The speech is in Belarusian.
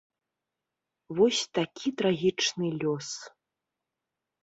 Вось такі трагічны лёс.